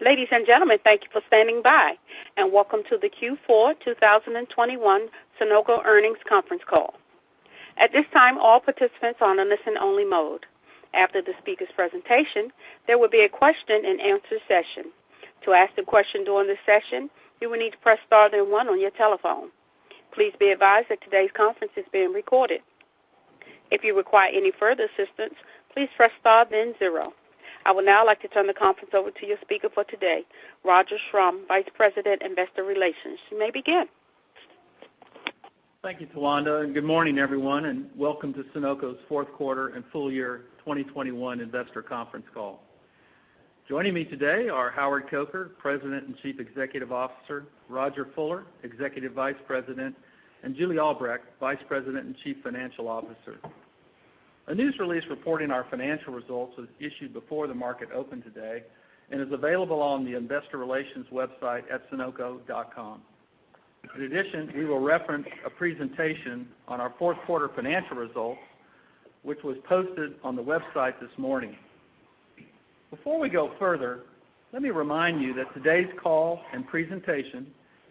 Ladies and gentlemen, thank you for standing by, and welcome to the Q4 2021 Sonoco Earnings Conference Call. At this time, all participants are on a listen-only mode. After the speaker's presentation, there will be a question-and-answer session. To ask the question during this session, you will need to press star then one on your telephone. Please be advised that today's conference is being recorded. If you require any further assistance, please press star then zero. I would now like to turn the conference over to your speaker for today, Roger Schrum, Vice President, Investor Relations. You may begin. Thank you, Towanda, and good morning, everyone, and welcome to Sonoco's fourth quarter and full year 2021 investor conference call. Joining me today are Howard Coker, President and Chief Executive Officer, Rodger Fuller, Executive Vice President, and Julie Albrecht, Vice President and Chief Financial Officer. A news release reporting our financial results was issued before the market opened today and is available on the investor relations website at sonoco.com. In addition, we will reference a presentation on our fourth quarter financial results, which was posted on the website this morning. Before we go further, let me remind you that today's call and presentation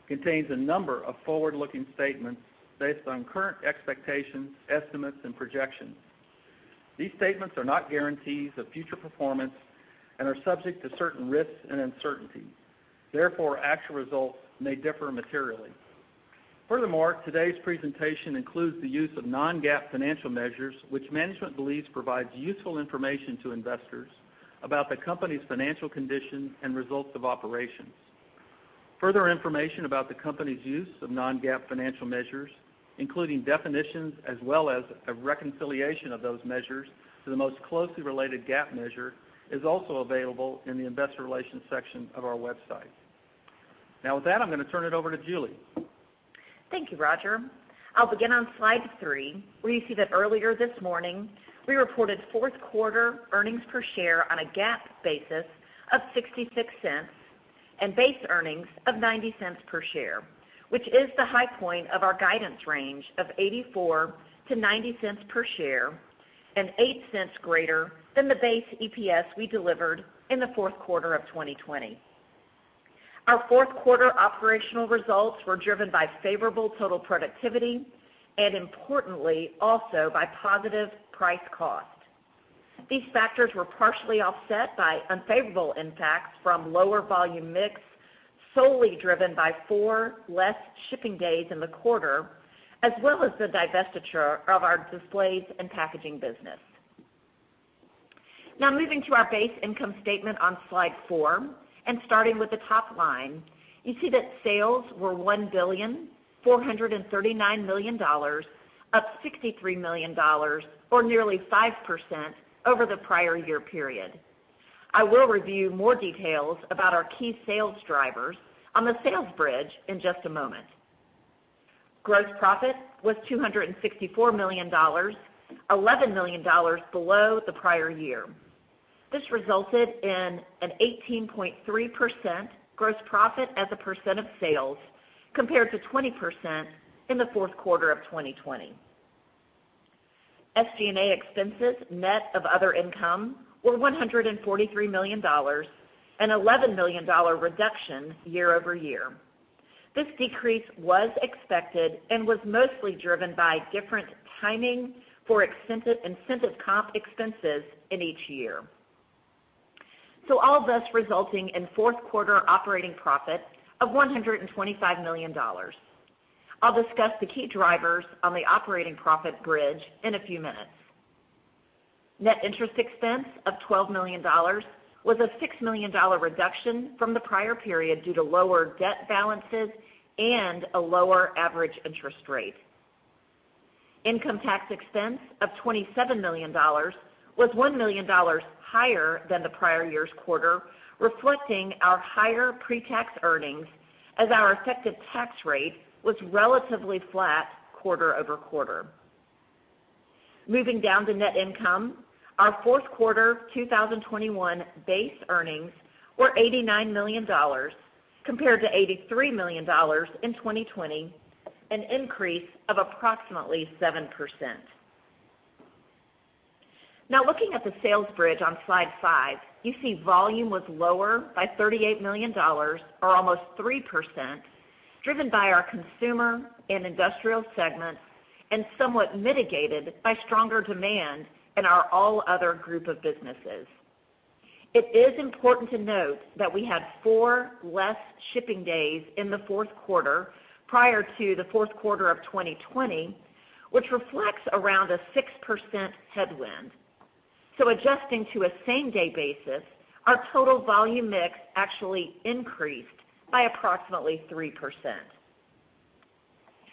contains a number of forward-looking statements based on current expectations, estimates, and projections. These statements are not guarantees of future performance and are subject to certain risks and uncertainties. Therefore, actual results may differ materially. Furthermore, today's presentation includes the use of non-GAAP financial measures, which management believes provides useful information to investors about the company's financial condition and results of operations. Further information about the company's use of non-GAAP financial measures, including definitions as well as a reconciliation of those measures to the most closely related GAAP measure, is also available in the investor relations section of our website. Now with that, I'm gonna turn it over to Julie. Thank you, Roger. I'll begin on slide 3, where you see that earlier this morning, we reported fourth quarter earnings per share on a GAAP basis of $0.66 and base earnings of $0.90 per share, which is the high point of our guidance range of $0.84-$0.90 per share and $0.08 greater than the base EPS we delivered in the fourth quarter of 2020. Our fourth quarter operational results were driven by favorable total productivity and importantly, also by positive price cost. These factors were partially offset by unfavorable impacts from lower volume mix, solely driven by 4 less shipping days in the quarter, as well as the divestiture of our displays and packaging business. Now moving to our base income statement on slide four and starting with the top line, you see that sales were $1,439 million, up $63 million or nearly 5% over the prior year period. I will review more details about our key sales drivers on the sales bridge in just a moment. Gross profit was $264 million, $11 million below the prior year. This resulted in an 18.3% gross profit as a percent of sales compared to 20% in the fourth quarter of 2020. SG&A expenses net of other income were $143 million, an $11 million reduction year-over-year. This decrease was expected and was mostly driven by different timing for incentive comp expenses in each year. All this resulting in fourth quarter operating profit of $125 million. I'll discuss the key drivers on the operating profit bridge in a few minutes. Net interest expense of $12 million was a six million dollar reduction from the prior period due to lower debt balances and a lower average interest rate. Income tax expense of $27 million was one million dollars higher than the prior year's quarter, reflecting our higher pre-tax earnings as our effective tax rate was relatively flat quarter over quarter. Moving down to net income, our fourth quarter 2021 base earnings were $89 million compared to $83 million in 2020, an increase of approximately 7%. Now, looking at the sales bridge on slide five, you see volume was lower by $38 million or almost 3%, driven by our consumer and industrial segments, and somewhat mitigated by stronger demand in our all other group of businesses. It is important to note that we had four less shipping days in the fourth quarter prior to the fourth quarter of 2020, which reflects around a 6% headwind. Adjusting to a same-day basis, our total volume mix actually increased by approximately 3%.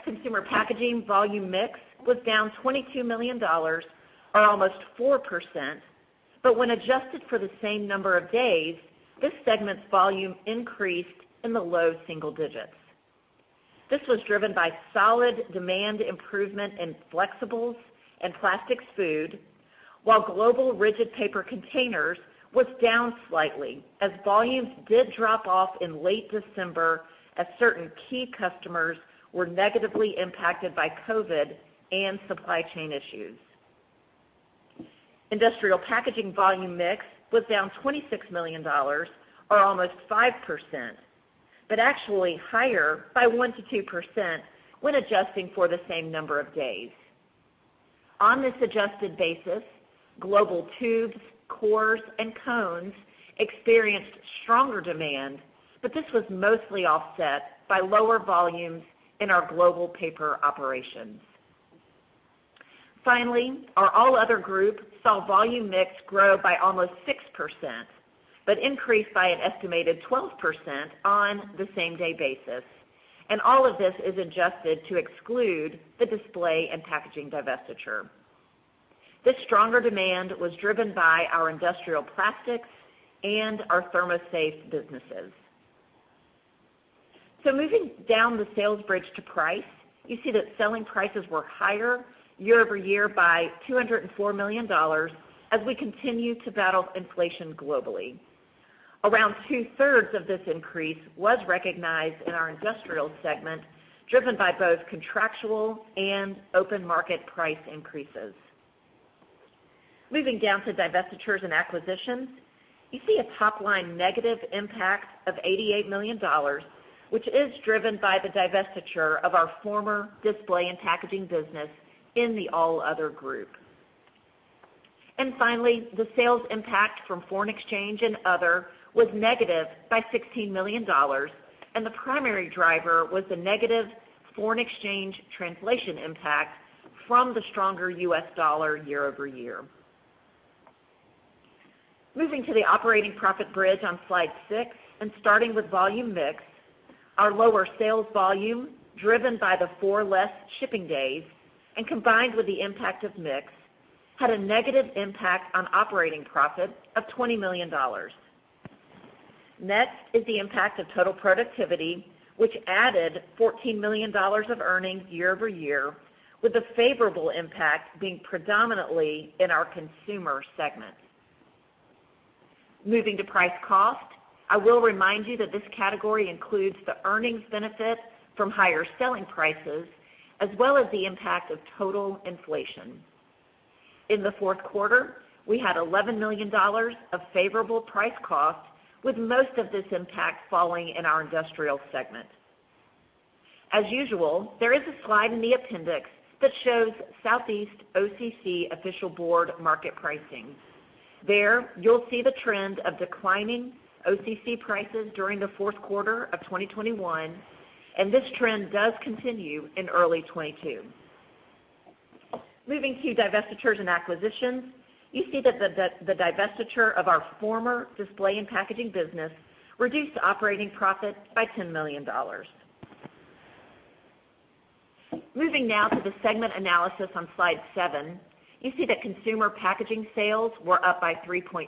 Consumer packaging volume mix was down $22 million or almost 4%. When adjusted for the same number of days, this segment's volume increased in the low single digits. This was driven by solid demand improvement in flexibles and plastics food, while global rigid paper containers was down slightly as volumes did drop off in late December as certain key customers were negatively impacted by COVID and supply chain issues. Industrial packaging volume mix was down $26 million or almost 5%, but actually higher by 1%-2% when adjusting for the same number of days. On this adjusted basis, global tubes, cores, and cones experienced stronger demand, but this was mostly offset by lower volumes in our global paper operations. Finally, our all other group saw volume mix grow by almost 6%, but increased by an estimated 12% on the same-day basis. All of this is adjusted to exclude the display and packaging divestiture. This stronger demand was driven by our industrial plastics and our ThermoSafe businesses. Moving down the sales bridge to price, you see that selling prices were higher year-over-year by $204 million as we continue to battle inflation globally. Around two-thirds of this increase was recognized in our industrial segment, driven by both contractual and open market price increases. Moving down to divestitures and acquisitions, you see a top line negative impact of $88 million, which is driven by the divestiture of our former display and packaging business in the all other group. Finally, the sales impact from foreign exchange and other was negative by $16 million, and the primary driver was the negative foreign exchange translation impact from the stronger U.S. dollar year-over-year. Moving to the operating profit bridge on slide 6 and starting with volume mix, our lower sales volume driven by the 4 less shipping days and combined with the impact of mix had a negative impact on operating profit of $20 million. Next is the impact of total productivity, which added $14 million of earnings year-over-year, with the favorable impact being predominantly in our consumer segment. Moving to price cost, I will remind you that this category includes the earnings benefit from higher selling prices as well as the impact of total inflation. In the fourth quarter, we had $11 million of favorable price cost, with most of this impact falling in our industrial segment. As usual, there is a slide in the appendix that shows Southeast OCC official board market pricing. There, you'll see the trend of declining OCC prices during the fourth quarter of 2021, and this trend does continue in early 2022. Moving to divestitures and acquisitions, you see that the divestiture of our former display and packaging business reduced operating profit by $10 million. Moving now to the segment analysis on slide 7, you see that Consumer Packaging sales were up by 3.3%,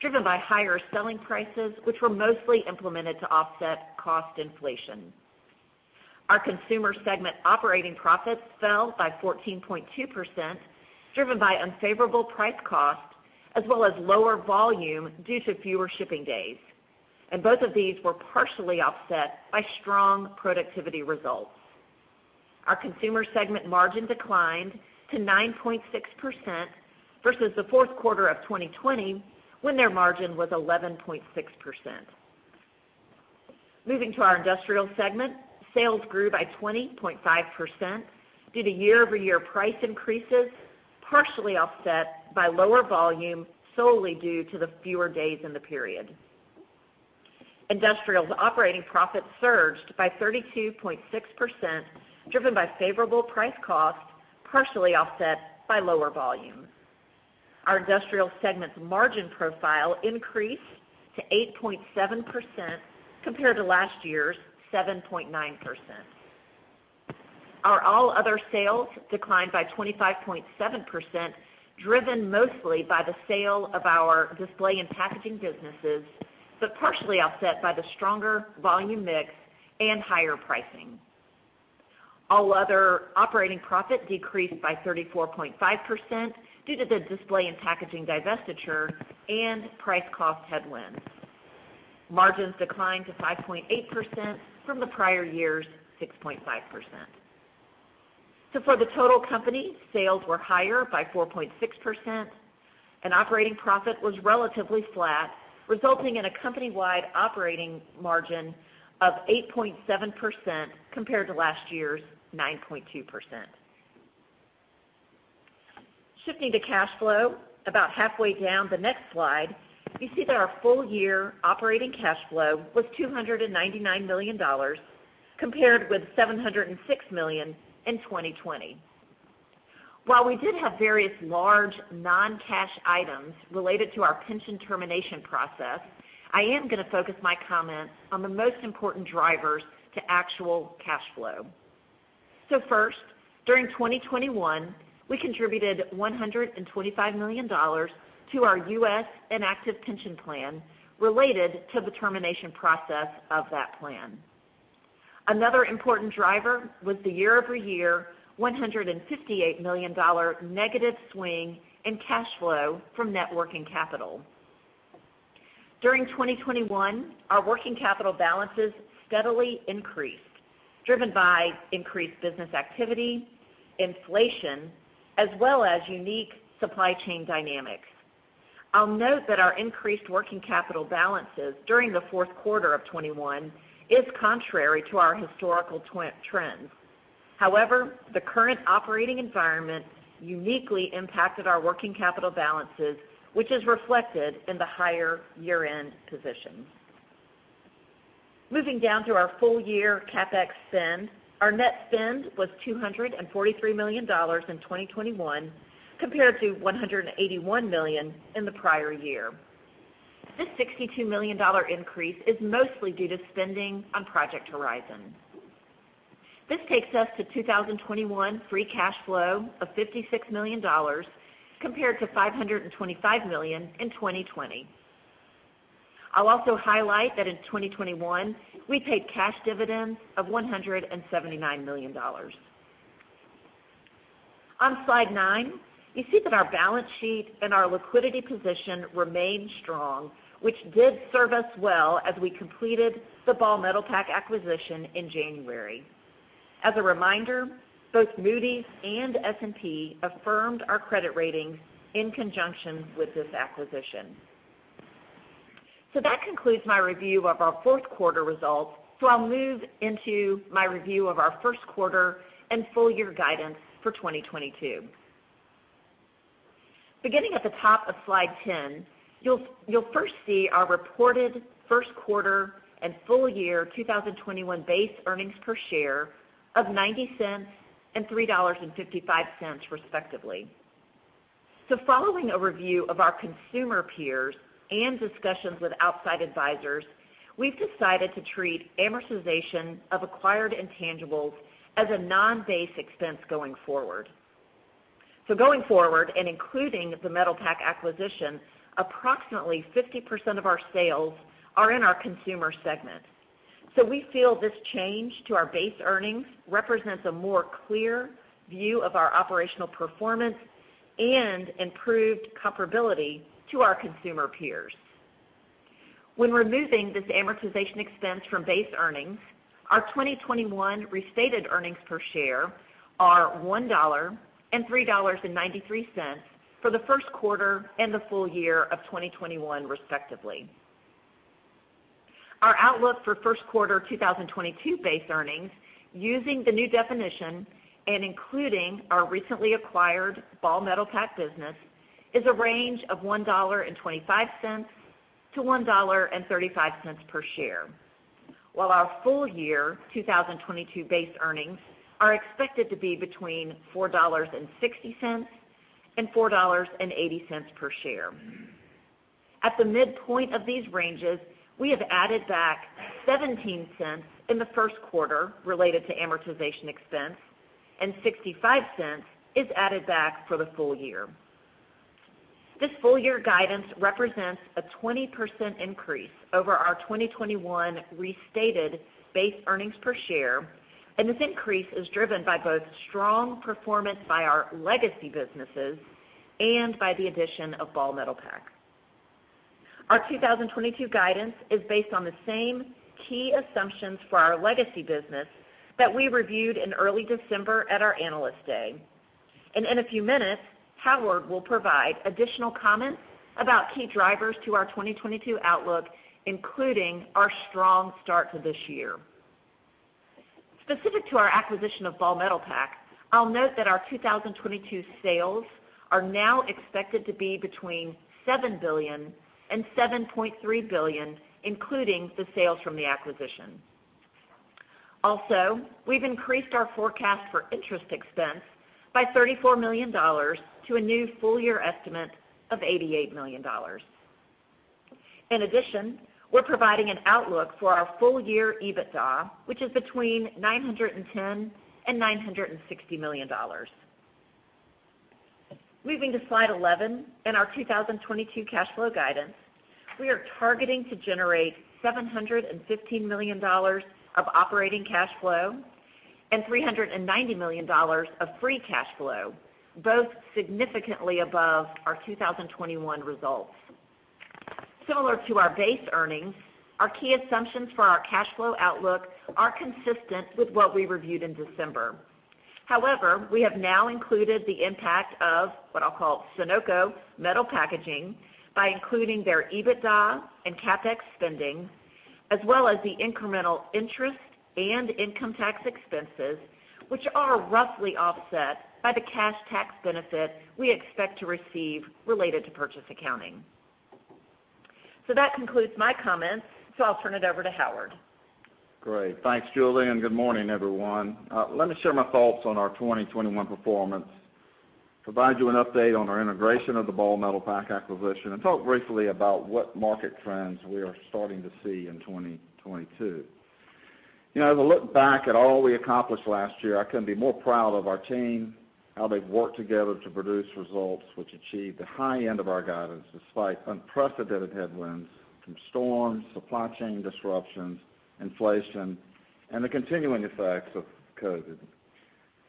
driven by higher selling prices, which were mostly implemented to offset cost inflation. Our Consumer segment operating profits fell by 14.2%, driven by unfavorable price cost as well as lower volume due to fewer shipping days. Both of these were partially offset by strong productivity results. Our Consumer segment margin declined to 9.6% versus the fourth quarter of 2020 when their margin was 11.6%. Moving to our industrial segment, sales grew by 20.5% due to year-over-year price increases, partially offset by lower volume solely due to the fewer days in the period. Industrial's operating profit surged by 32.6%, driven by favorable price cost, partially offset by lower volume. Our industrial segment's margin profile increased to 8.7% compared to last year's 7.9%. Our all other sales declined by 25.7%, driven mostly by the sale of our display and packaging businesses, but partially offset by the stronger volume mix and higher pricing. All other operating profit decreased by 34.5% due to the display and packaging divestiture and price cost headwinds. Margins declined to 5.8% from the prior year's 6.5%. For the total company, sales were higher by 4.6% and operating profit was relatively flat, resulting in a company-wide operating margin of 8.7% compared to last year's 9.2%. Shifting to cash flow, about halfway down the next slide, you see that our full-year operating cash flow was $299 million compared with $706 million in 2020. While we did have various large non-cash items related to our pension termination process, I am going to focus my comments on the most important drivers to actual cash flow. First, during 2021, we contributed $125 million to our U.S. inactive pension plan related to the termination process of that plan. Another important driver was the year-over-year $158 million negative swing in cash flow from net working capital. During 2021, our working capital balances steadily increased, driven by increased business activity, inflation, as well as unique supply chain dynamics. I'll note that our increased working capital balances during the fourth quarter of 2021 is contrary to our historical trends. However, the current operating environment uniquely impacted our working capital balances, which is reflected in the higher year-end positions. Moving down to our full year CapEx spend, our net spend was $243 million in 2021, compared to $181 million in the prior year. This $62 million increase is mostly due to spending on Project Horizon. This takes us to 2021 free cash flow of $56 million compared to $525 million in 2020. I'll also highlight that in 2021, we paid cash dividends of $179 million. On slide 9, you see that our balance sheet and our liquidity position remained strong, which did serve us well as we completed the Ball Metalpack acquisition in January. As a reminder, both Moody's and S&P affirmed our credit ratings in conjunction with this acquisition. That concludes my review of our fourth quarter results, so I'll move into my review of our first quarter and full year guidance for 2022. Beginning at the top of slide 10, you'll first see our reported first quarter and full year 2021 base earnings per share of $0.90 and $3.55, respectively. Following a review of our consumer peers and discussions with outside advisors, we've decided to treat amortization of acquired intangibles as a non-base expense going forward. Going forward, and including the Metal Pack acquisition, approximately 50% of our sales are in our consumer segment. We feel this change to our base earnings represents a more clear view of our operational performance and improved comparability to our consumer peers. When removing this amortization expense from base earnings, our 2021 restated earnings per share are $1.03 and $3.93 for the first quarter and the full year of 2021, respectively. Our outlook for first quarter 2022 base earnings, using the new definition and including our recently acquired Ball Metalpack business, is a range of $1.25-$1.35 per share. While our full year 2022 base earnings are expected to be between $4.60 and $4.80 per share. At the midpoint of these ranges, we have added back $0.17 in the first quarter related to amortization expense, and $0.65 is added back for the full year. This full year guidance represents a 20% increase over our 2021 restated base earnings per share, and this increase is driven by both strong performance by our legacy businesses and by the addition of Ball Metalpack. Our 2022 guidance is based on the same key assumptions for our legacy business that we reviewed in early December at our Analyst Day. In a few minutes, Howard will provide additional comments about key drivers to our 2022 outlook, including our strong start to this year. Specific to our acquisition of Ball Metalpack, I'll note that our 2022 sales are now expected to be between $7 billion-$7.3 billion, including the sales from the acquisition. Also, we've increased our forecast for interest expense by $34 million to a new full year estimate of $88 million. In addition, we're providing an outlook for our full year EBITDA, which is between $910 million-$960 million. Moving to slide 11 and our 2022 cash flow guidance, we are targeting to generate $715 million of operating cash flow and $390 million of free cash flow, both significantly above our 2021 results. Similar to our base earnings, our key assumptions for our cash flow outlook are consistent with what we reviewed in December. However, we have now included the impact of what I'll call Sonoco Metal Packaging by including their EBITDA and CapEx spending, as well as the incremental interest and income tax expenses, which are roughly offset by the cash tax benefit we expect to receive related to purchase accounting. That concludes my comments, so I'll turn it over to Howard. Great. Thanks, Julie, and good morning, everyone. Let me share my thoughts on our 2021 performance, provide you an update on our integration of the Ball Metalpack acquisition, and talk briefly about what market trends we are starting to see in 2022. You know, as I look back at all we accomplished last year, I couldn't be more proud of our team, how they've worked together to produce results which achieved the high end of our guidance despite unprecedented headwinds from storms, supply chain disruptions, inflation, and the continuing effects of COVID.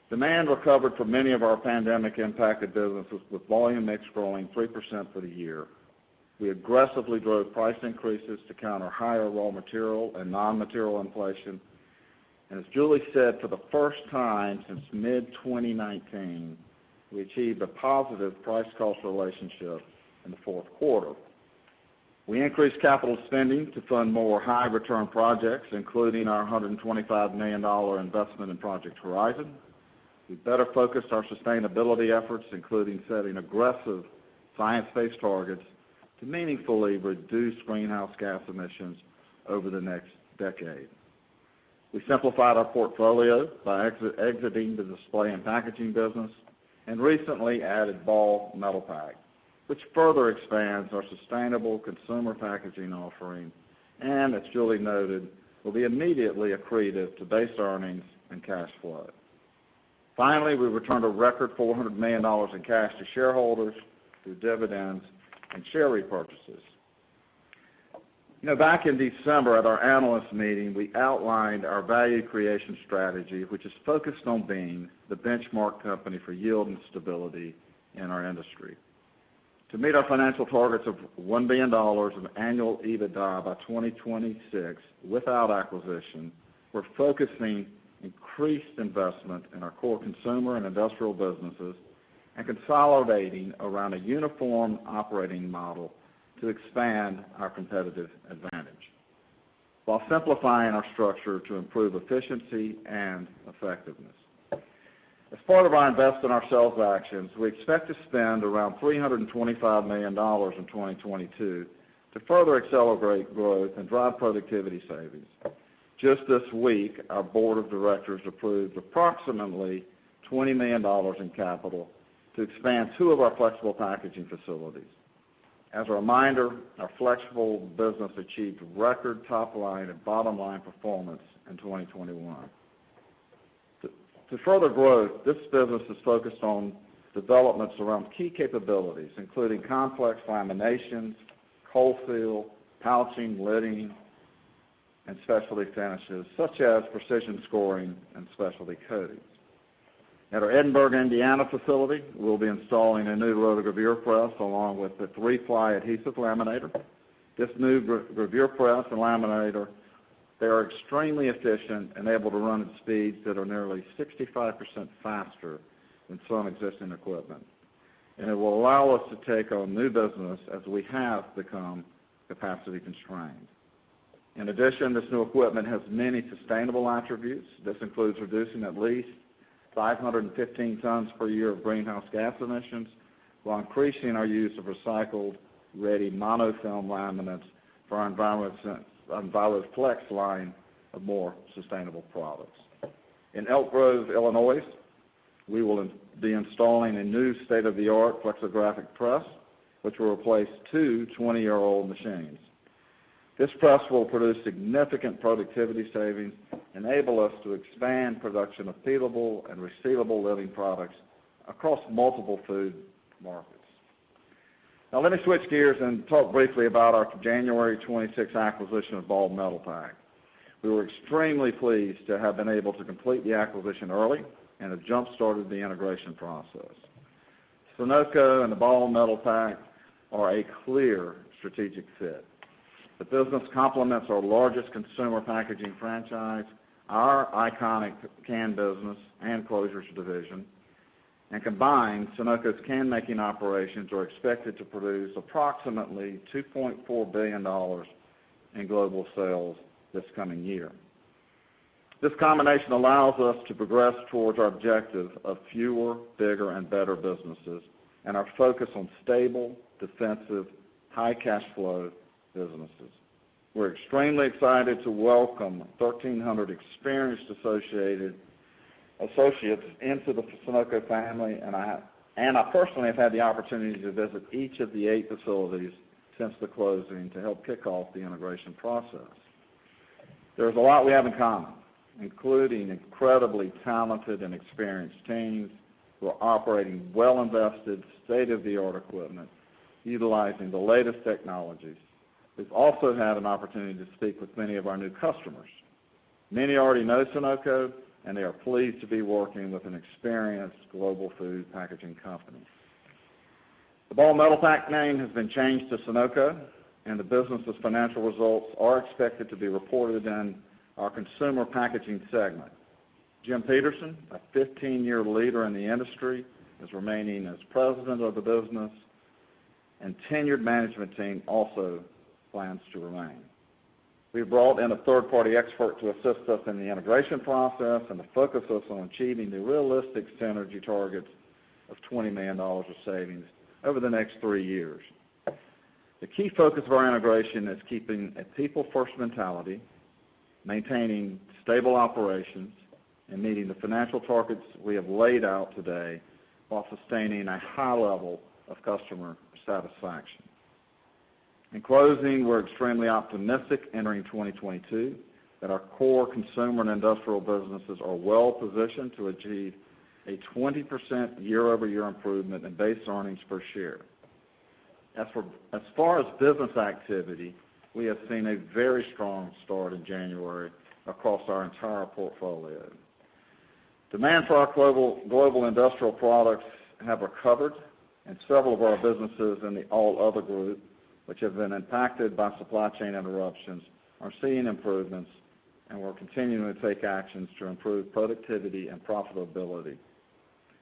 Demand recovered for many of our pandemic-impacted businesses, with volume mix growing 3% for the year. We aggressively drove price increases to counter higher raw material and non-material inflation. As Julie said, for the first time since mid-2019, we achieved a positive price cost relationship in the fourth quarter. We increased capital spending to fund more high return projects, including our $125 million investment in Project Horizon. We better focused our sustainability efforts, including setting aggressive science-based targets to meaningfully reduce greenhouse gas emissions over the next decade. We simplified our portfolio by exiting the display and packaging business, and recently added Ball Metalpack, which further expands our sustainable consumer packaging offering, and as Julie noted, will be immediately accretive to base earnings and cash flow. Finally, we returned a record $400 million in cash to shareholders through dividends and share repurchases. Now, back in December at our analyst meeting, we outlined our value creation strategy, which is focused on being the benchmark company for yield and stability in our industry. To meet our financial targets of $1 billion of annual EBITDA by 2026 without acquisition, we're focusing increased investment in our core consumer and industrial businesses and consolidating around a uniform operating model to expand our competitive advantage while simplifying our structure to improve efficiency and effectiveness. As part of our invest in ourselves actions, we expect to spend around $325 million in 2022 to further accelerate growth and drive productivity savings. Just this week, our board of directors approved approximately $20 million in capital to expand two of our flexible packaging facilities. As a reminder, our flexible business achieved record top line and bottom line performance in 2021. To further growth, this business is focused on developments around key capabilities, including complex laminations, cold seal, pouching, lidding, and specialty finishes such as precision scoring and specialty coatings. At our Edinburgh, Indiana facility, we'll be installing a new rotogravure press along with a three-ply adhesive laminator. This new gravure press and laminator, they are extremely efficient and able to run at speeds that are nearly 65% faster than some existing equipment. It will allow us to take on new business as we have become capacity constrained. In addition, this new equipment has many sustainable attributes. This includes reducing at least 515 tons per year of greenhouse gas emissions while increasing our use of recycled-ready mono film laminates for our EnviroFlex line of more sustainable products. In Elk Grove, Illinois, we will be installing a new state-of-the-art flexographic press, which will replace two 20-year-old machines. This press will produce significant productivity savings, enable us to expand production of peelable and resealable lidding products across multiple food markets. Now let me switch gears and talk briefly about our January 22 acquisition of Ball Metalpack. We were extremely pleased to have been able to complete the acquisition early and have jump-started the integration process. Sonoco and the Ball Metalpack are a clear strategic fit. The business complements our largest consumer packaging franchise, our iconic can business and closures division. Combined, Sonoco's can-making operations are expected to produce approximately $2.4 billion in global sales this coming year. This combination allows us to progress towards our objective of fewer, bigger and better businesses and our focus on stable, defensive, high cash flow businesses. We're extremely excited to welcome 1,300 experienced associates into the Sonoco family, and I personally have had the opportunity to visit each of the eight facilities since the closing to help kick off the integration process. There's a lot we have in common, including incredibly talented and experienced teams who are operating well-invested, state-of-the-art equipment, utilizing the latest technologies. We've also had an opportunity to speak with many of our new customers. Many already know Sonoco, and they are pleased to be working with an experienced global food packaging company. The Ball Metalpack name has been changed to Sonoco, and the business's financial results are expected to be reported in our consumer packaging segment. Jim Peterson, a 15-year leader in the industry, is remaining as president of the business, and tenured management team also plans to remain. We've brought in a third-party expert to assist us in the integration process and to focus us on achieving the realistic synergy targets of $20 million of savings over the next three years. The key focus of our integration is keeping a people first mentality, maintaining stable operations, and meeting the financial targets we have laid out today while sustaining a high level of customer satisfaction. In closing, we're extremely optimistic entering 2022 that our core consumer and industrial businesses are well-positioned to achieve a 20% year-over-year improvement in base earnings per share. As for business activity, we have seen a very strong start in January across our entire portfolio. Demand for our global industrial products have recovered, and several of our businesses in the all other group, which have been impacted by supply chain interruptions, are seeing improvements, and we're continuing to take actions to improve productivity and profitability.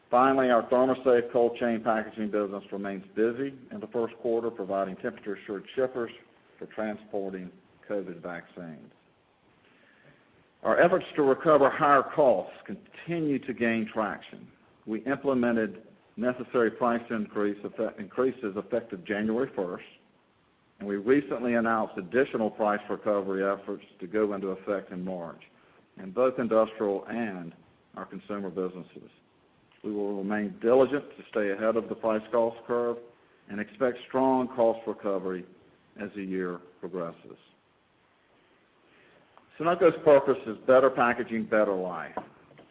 Finally, our ThermoSafe cold chain packaging business remains busy in the first quarter, providing temperature-assured shippers for transporting COVID vaccines. Our efforts to recover higher costs continue to gain traction. We implemented necessary price increases effective January 1st, and we recently announced additional price recovery efforts to go into effect in March in both industrial and our consumer businesses. We will remain diligent to stay ahead of the price cost curve and expect strong cost recovery as the year progresses. Sonoco's purpose is better packaging, better life.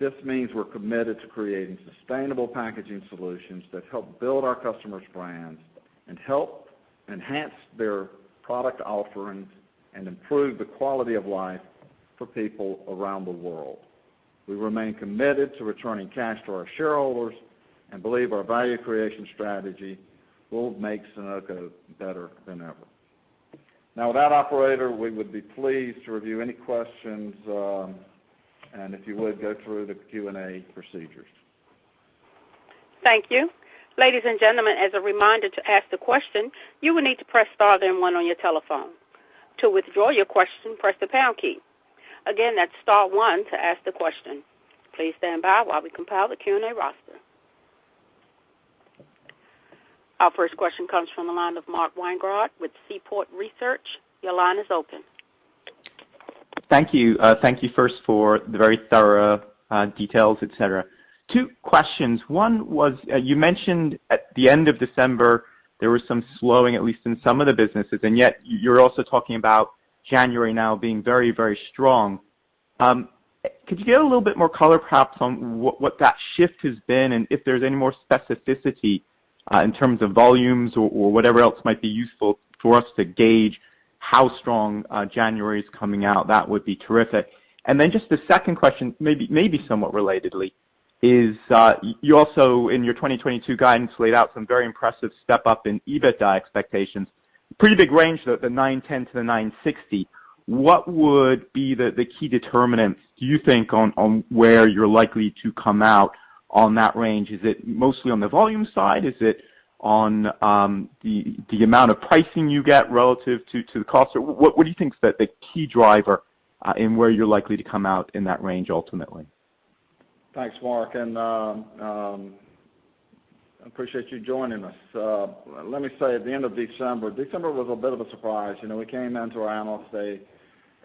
This means we're committed to creating sustainable packaging solutions that help build our customers' brands and help enhance their product offerings and improve the quality of life for people around the world. We remain committed to returning cash to our shareholders and believe our value creation strategy will make Sonoco better than ever. Now with that, operator, we would be pleased to review any questions, and if you would go through the Q&A procedures. Thank you. Ladies and gentlemen, as a reminder to ask the question, you will need to press star then one on your telephone. To withdraw your question, press the pound key. Again, that's star one to ask the question. Please stand by while we compile the Q&A roster. Our first question comes from the line of Mark Weintraub with Seaport Research Partners. Your line is open. Thank you. Thank you first for the very thorough details, et cetera. 2 questions. One was you mentioned at the end of December, there was some slowing, at least in some of the businesses, and yet you're also talking about January now being very, very strong. Could you give a little bit more color perhaps on what that shift has been, and if there's any more specificity in terms of volumes or whatever else might be useful for us to gauge how strong January is coming out? That would be terrific. Just the second question, maybe somewhat relatedly, is you also in your 2022 guidance laid out some very impressive step up in EBITDA expectations. Pretty big range, the $910-$960. What would be the key determinants do you think on where you're likely to come out on that range? Is it mostly on the volume side? Is it on the amount of pricing you get relative to the cost? What do you think is the key driver in where you're likely to come out in that range ultimately? Thanks, Mark, appreciate you joining us. Let me say at the end of December was a bit of a surprise. You know, we came into our Analyst Day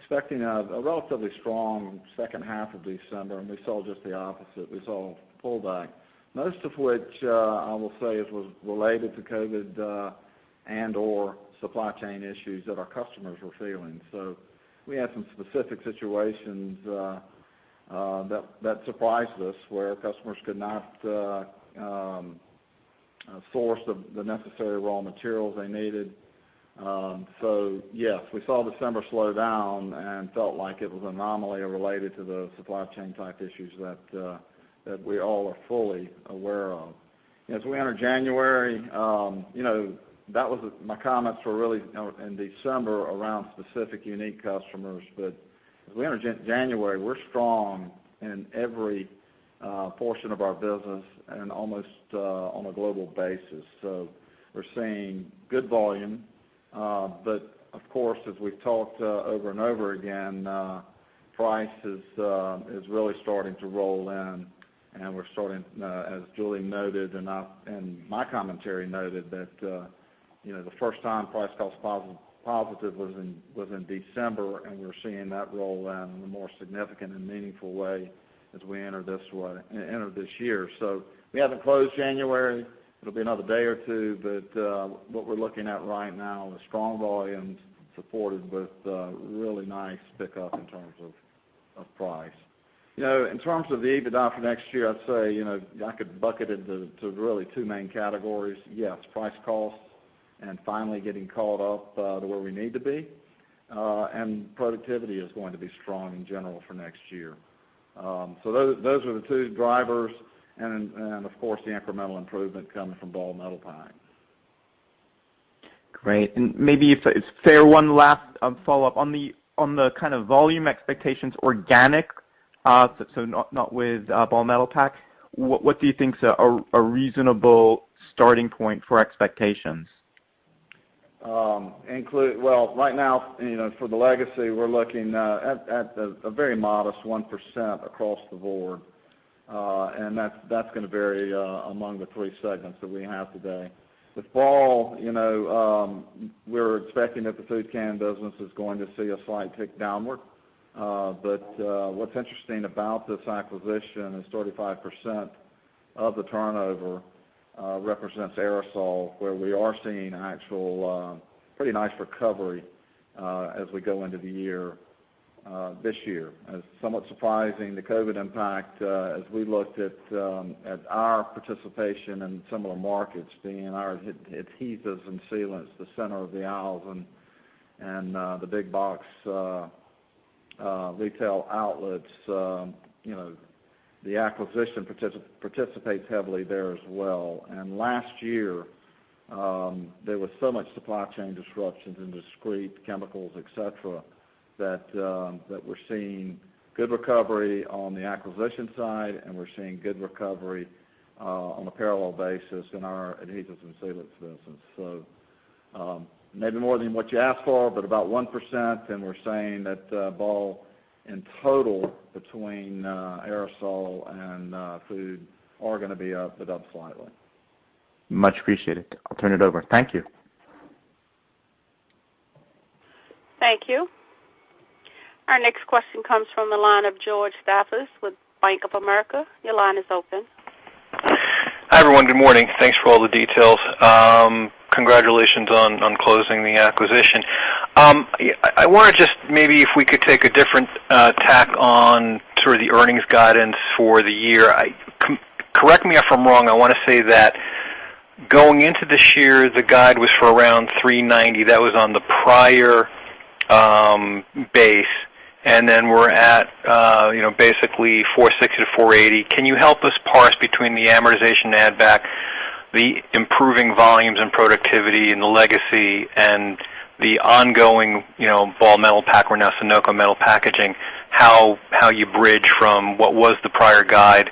expecting a relatively strong second half of December, and we saw just the opposite. We saw a pullback, most of which I will say it was related to COVID and/or supply chain issues that our customers were feeling. We had some specific situations that surprised us where customers could not source the necessary raw materials they needed. Yes, we saw December slow down and felt like it was an anomaly related to the supply chain type issues that we all are fully aware of. As we enter January, you know, my comments were really, you know, in December around specific unique customers. As we enter January, we're strong in every portion of our business and almost on a global basis. We're seeing good volume. Of course, as we've talked over and over again, price is really starting to roll in, and we're starting, as Julie noted and I in my commentary noted that, you know, the first time price cost positive was in December, and we're seeing that roll in a more significant and meaningful way as we enter this year. We haven't closed January. It'll be another day or two, but what we're looking at right now is strong volumes supported with really nice pickup in terms of price. You know, in terms of the EBITDA for next year, I'd say, you know, I could bucket it to really two main categories. Yes, price/costs and finally getting caught up to where we need to be, and productivity is going to be strong in general for next year. So those are the two drivers and of course, the incremental improvement coming from Ball Metalpack. Great. Maybe if it's fair, one last follow-up. On the kind of volume expectations organic, so not with Ball Metalpack, what do you think is a reasonable starting point for expectations? Well, right now, you know, for the legacy, we're looking at a very modest 1% across the board. That's gonna vary among the three segments that we have today. With Ball, you know, we're expecting that the food can business is going to see a slight tick downward. What's interesting about this acquisition is 35% of the turnover represents aerosol, where we are seeing actual pretty nice recovery as we go into the year. This year. It's somewhat surprising, the COVID impact, as we looked at our participation in similar markets, being our adhesives and sealants, the center of the aisles and the big box retail outlets, you know, the acquisition participates heavily there as well. Last year, there was so much supply chain disruptions in discrete chemicals, et cetera, that we're seeing good recovery on the acquisition side, and we're seeing good recovery on a parallel basis in our adhesives and sealants business. Maybe more than what you asked for, but about 1%, and we're saying that Ball in total between aerosol and food are gonna be up, but up slightly. Much appreciated. I'll turn it over. Thank you. Thank you. Our next question comes from the line of George Staphos with Bank of America. Your line is open. Hi, everyone. Good morning. Thanks for all the details. Congratulations on closing the acquisition. I wanna just maybe if we could take a different tack on sort of the earnings guidance for the year. Correct me if I'm wrong. I wanna say that going into this year, the guide was for around $3.90. That was on the prior base. We're at, you know, basically $4.60-$4.80. Can you help us parse between the amortization add back, the improving volumes and productivity in the legacy and the ongoing, you know, Ball Metalpack, we're now Sonoco Metal Packaging, how you bridge from what was the prior guide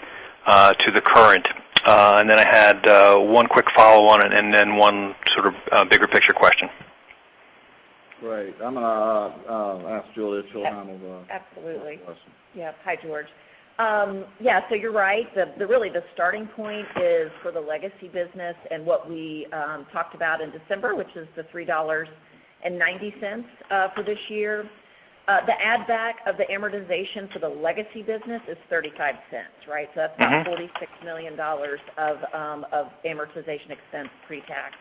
to the current? I had one quick follow on and then one sort of bigger picture question. Right. I'm gonna ask Julie to handle the Yeah. Absolutely. Handle the question. Yeah. Hi, George. Yeah, so you're right. The real starting point is for the legacy business and what we talked about in December, which is the $3.90 for this year. The add back of the amortization for the legacy business is $0.35, right? Mm-hmm. That's about $46 million of amortization expense pre-tax.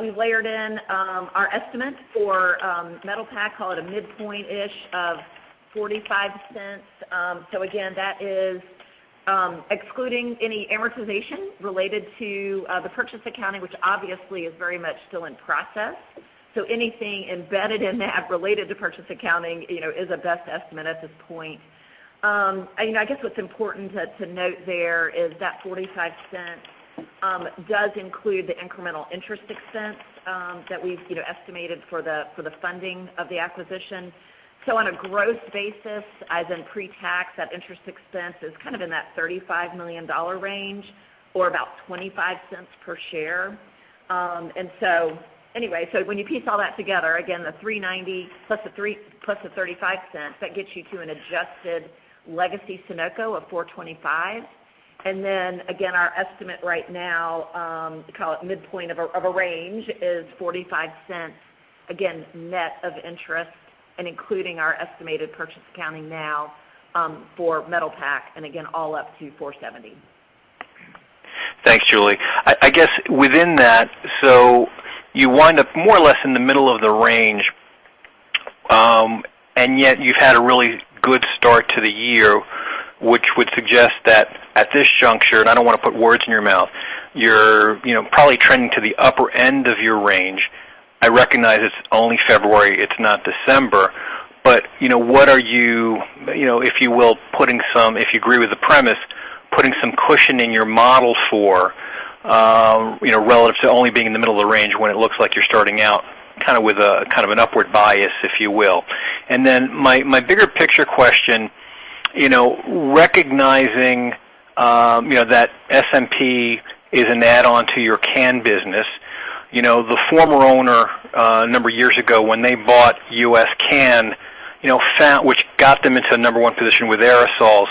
We layered in our estimate for Metal Pack, call it a midpoint-ish of $0.45. Again, that is excluding any amortization related to the purchase accounting, which obviously is very much still in process. Anything embedded in that related to purchase accounting, you know, is a best estimate at this point. I guess what's important to note there is that $0.45 does include the incremental interest expense that we've, you know, estimated for the funding of the acquisition. On a gross basis, as in pre-tax, that interest expense is kind of in that $35 million range or about $0.25 per share. When you piece all that together, again, the $3.90 plus the $0.03 plus the $0.35, that gets you to an adjusted legacy Sonoco of $4.25. Our estimate right now, call it midpoint of a range, is $0.45, again, net of interest and including our estimated purchase accounting now, for Metal Pack, and again, all up to $4.70. Thanks, Julie. I guess within that, so you wind up more or less in the middle of the range, and yet you've had a really good start to the year, which would suggest that at this juncture, and I don't wanna put words in your mouth, you're, you know, probably trending to the upper end of your range. I recognize it's only February, it's not December. You know, what are you know, if you will, putting some, if you agree with the premise, putting some cushion in your model for, you know, relative to only being in the middle of the range when it looks like you're starting out kind of with a, kind of an upward bias, if you will. My bigger picture question, you know, recognizing, you know, that SMP is an add-on to your can business. You know, the former owner, a number of years ago when they bought U.S. Can, you know, which got them into the number one position with aerosols,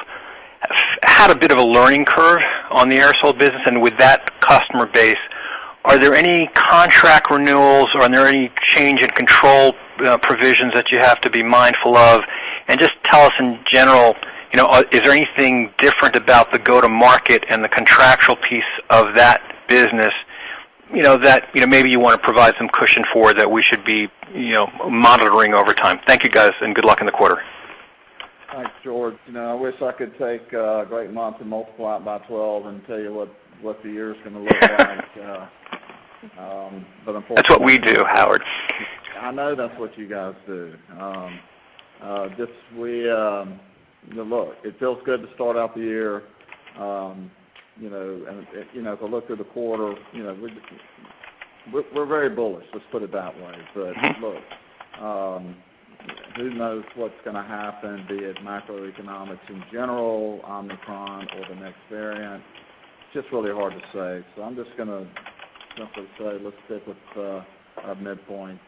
had a bit of a learning curve on the aerosol business and with that customer base. Are there any contract renewals, or are there any change in control provisions that you have to be mindful of? Just tell us in general, you know, is there anything different about the go-to-market and the contractual piece of that business, you know, that, you know, maybe you wanna provide some cushion for that we should be, you know, monitoring over time? Thank you, guys, and good luck in the quarter. Thanks, George. You know, I wish I could take a great month and multiply it by 12 and tell you what the year's gonna look like. Unfortunately- That's what we do, Howard. I know that's what you guys do. You know, look, it feels good to start out the year, you know, and, you know, to look through the quarter, you know, we're very bullish, let's put it that way. Look, who knows what's gonna happen, be it macroeconomics in general, Omicron or the next variant? It's just really hard to say. I'm just gonna simply say, let's stick with our midpoint.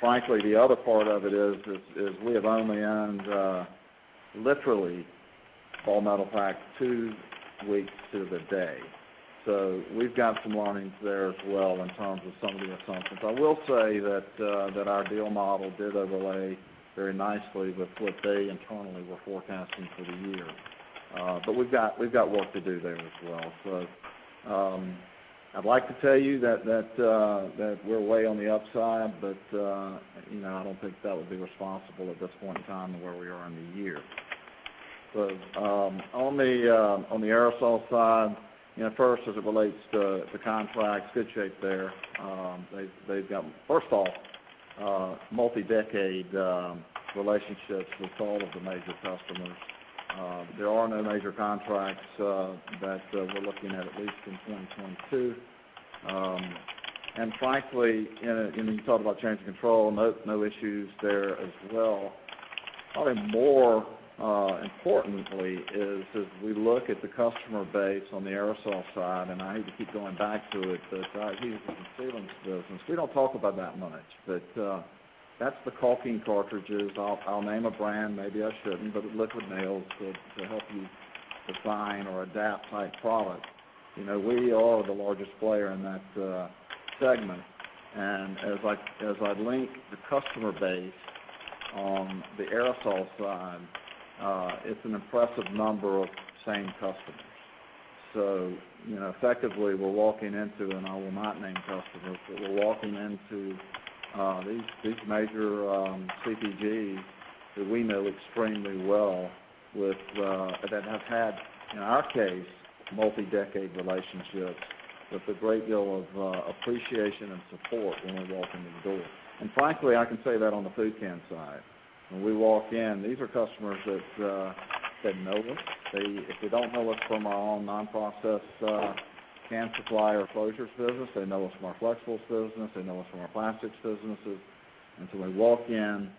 Frankly, the other part of it is we have only owned literally Ball Metalpack two weeks to the day. We've got some learnings there as well in terms of some of the assumptions. I will say that that our deal model did overlay very nicely with what they internally were forecasting for the year. We've got work to do there as well. I'd like to tell you that we're way on the upside, but you know, I don't think that would be responsible at this point in time to where we are in the year. On the aerosol side, you know, first, as it relates to contracts, good shape there. They've got, first of all, multi-decade relationships with all of the major customers. There are no major contracts that we're looking at least in 2022. Frankly, you know, you talked about change of control. No issues there as well. Probably more importantly is as we look at the customer base on the aerosol side, and I hate to keep going back to it, but he's in the sealants business. We don't talk about that much. That's the caulking cartridges. I'll name a brand, maybe I shouldn't, but Liquid Nails to help you design or adapt type products. You know, we are the largest player in that segment. As I link the customer base on the aerosol side, it's an impressive number of same customers. You know, effectively we're walking into, and I will not name customers, but we're walking into these major CPGs that we know extremely well with that have had, in our case, multi-decade relationships with a great deal of appreciation and support when we walk in the door. Frankly, I can say that on the food can side. When we walk in, these are customers that know us. They, if they don't know us from our own non-process can supplier closures business, they know us from our flexibles business, they know us from our plastics businesses. We walk in.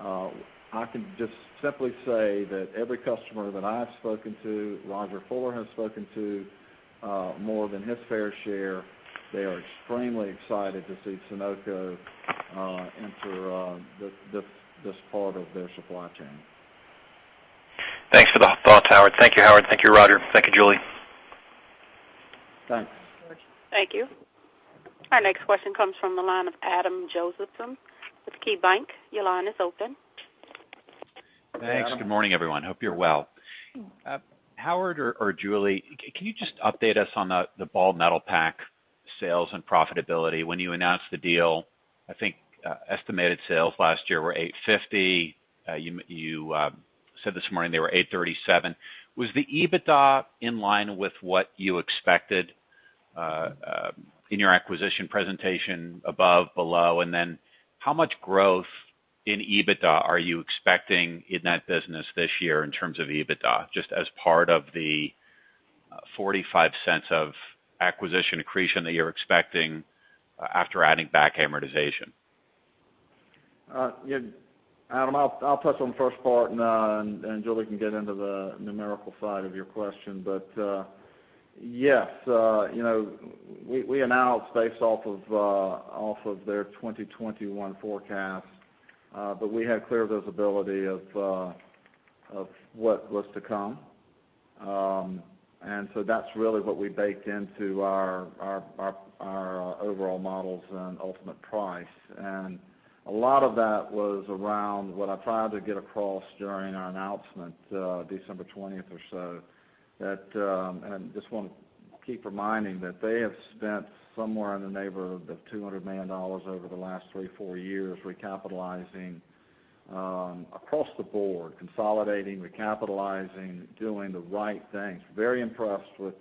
I can just simply say that every customer that I have spoken to, Rodger Fuller has spoken to, more than his fair share. They are extremely excited to see Sonoco enter this part of their supply chain. Thanks for the thoughts, Howard. Thank you, Howard. Thank you, Rodger. Thank you, Julie. Thanks. Thank you. Our next question comes from the line of Adam Josephson with KeyBanc Capital Markets. Your line is open. Thanks. Good morning, everyone. Hope you're well. Howard or Julie, can you just update us on the Ball Metalpack sales and profitability? When you announced the deal, I think estimated sales last year were $850 million. You said this morning they were $837 million. Was the EBITDA in line with what you expected in your acquisition presentation above, below? How much growth in EBITDA are you expecting in that business this year in terms of EBITDA, just as part of the $0.45 of acquisition accretion that you're expecting after adding back amortization? Yeah. Adam, I'll touch on the first part, and Julie can get into the numerical side of your question. You know, we announced based off of their 2021 forecast. We had clear visibility of what was to come. That's really what we baked into our overall models and ultimate price. A lot of that was around what I tried to get across during our announcement, December 20 or so, and just wanna keep reminding that they have spent somewhere in the neighborhood of $200 million over the last 3-4 years recapitalizing across the board, consolidating, recapitalizing, doing the right things. Very impressed with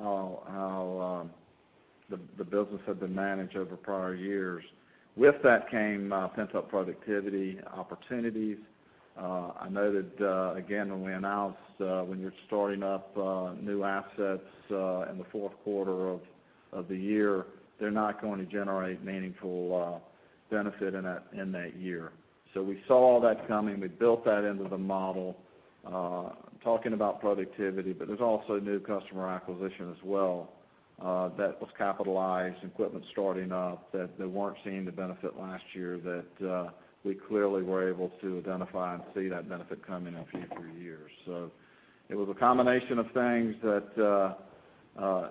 how the business had been managed over prior years. With that came pent-up productivity opportunities. I noted again, when we announced, when you're starting up new assets in the fourth quarter of the year, they're not going to generate meaningful benefit in that year. We saw all that coming. We built that into the model talking about productivity, but there's also new customer acquisition as well that was capitalized, equipment starting up that they weren't seeing the benefit last year that we clearly were able to identify and see that benefit coming in future years. It was a combination of things that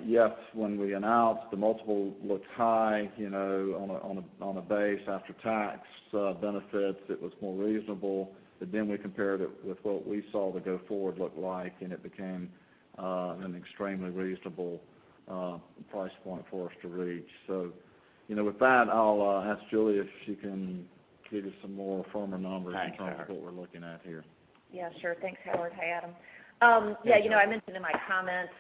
yes, when we announced the multiple looked high, you know, on a base after tax benefits, it was more reasonable. We compared it with what we saw the go forward look like, and it became an extremely reasonable price point for us to reach. You know, with that, I'll ask Julie if she can give you some more firmer numbers. Thanks, Howard. in terms of what we're looking at here. Yeah, sure. Thanks, Howard. Hi, Adam. Yeah, you know, I mentioned in my comments,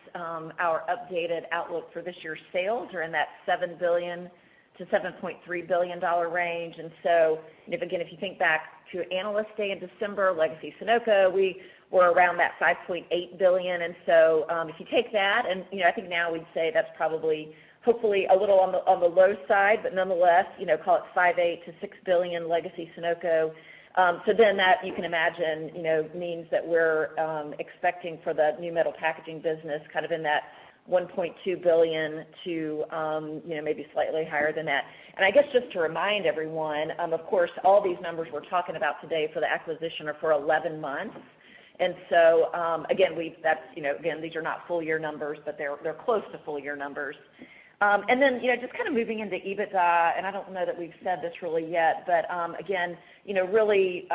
our updated outlook for this year's sales are in that $7 billion-$7.3 billion range. If you think back to Analyst Day in December, legacy Sonoco, we were around that $5.8 billion. If you take that, you know, I think now we'd say that's probably, hopefully a little on the low side, but nonetheless, you know, call it $5.8 billion-$6 billion legacy Sonoco. That you can imagine, you know, means that we're expecting for the new metal packaging business kind of in that $1.2 billion to, you know, maybe slightly higher than that. I guess just to remind everyone, of course, all these numbers we're talking about today for the acquisition are for 11 months. Again, that's, you know, again, these are not full year numbers, but they're close to full year numbers. Then, you know, just kind of moving into EBITDA, and I don't know that we've said this really yet, but, again, you know, really,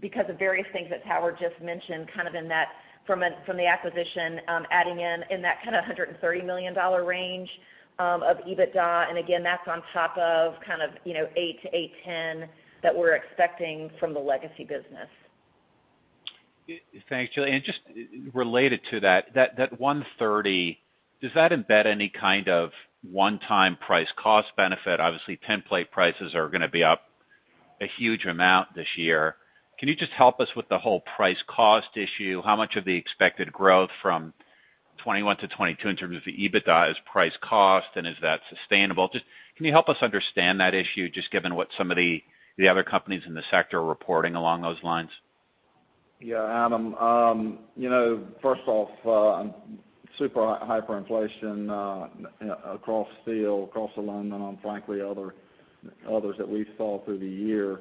because of various things that Howard just mentioned, kind of in that from a, from the acquisition, adding in that kind of $130 million range of EBITDA. Again, that's on top of kind of, you know, $8 million-$10 million that we're expecting from the legacy business. Thanks, Julie. Just related to that, 130, does that embed any kind of one-time price cost benefit? Obviously, template prices are gonna be up a huge amount this year. Can you just help us with the whole price cost issue? How much of the expected growth from 2021 to 2022 in terms of EBITDA is price cost, and is that sustainable? Just can you help us understand that issue just given what some of the other companies in the sector are reporting along those lines? Yeah, Adam. Super hyperinflation across steel, across aluminum, frankly others that we saw through the year.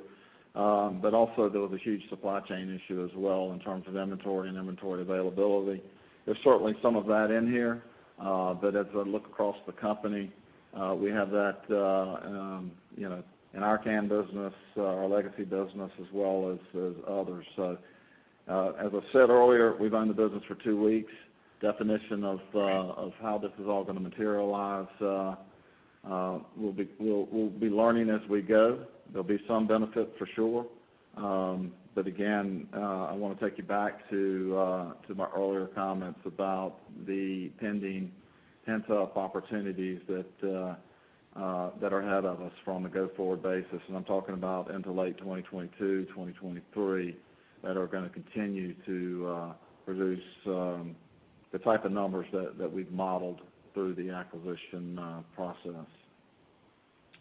Also there was a huge supply chain issue as well in terms of inventory availability. There's certainly some of that in here. As I look across the company, we have that in our can business, our legacy business as well as others. As I said earlier, we've owned the business for two weeks. Definition of how this is all gonna materialize, we'll be learning as we go. There'll be some benefit for sure. again, I wanna take you back to my earlier comments about the pending pent-up opportunities that are ahead of us from a go-forward basis. I'm talking about into late 2022, 2023 that are gonna continue to produce the type of numbers that we've modeled through the acquisition process.